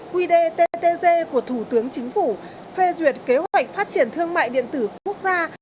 quy đề ttg của thủ tướng chính phủ phê duyệt kế hoạch phát triển thương mại điện tử quốc gia